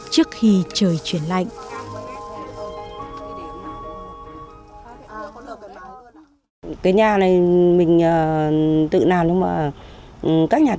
trước khi trời chuyển lạnh